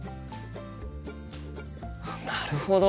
なるほど！